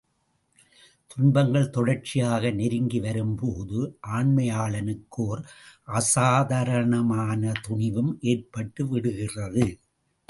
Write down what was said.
துன்பங்கள் தொடர்ச்சியாக நெருங்கி வரும்போது ஆண்மையாளனுக்கு ஒர் அசாதாரணமானதுணிவும் ஏற்பட்டு விடுகிறது.